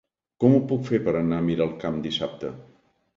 Com ho puc fer per anar a Miralcamp dissabte?